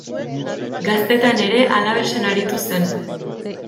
Gaztetan ere Alavesen aritu zen.